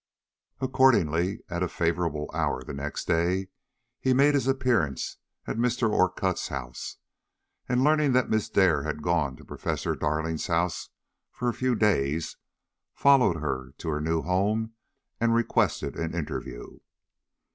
Accordingly at a favorable hour the next day, he made his appearance at Mr. Orcutt's house, and learning that Miss Dare had gone to Professor Darling's house for a few days, followed her to her new home and requested an interview.